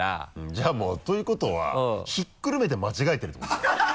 じゃあもうということは引っくるめて間違えてるってことじゃない？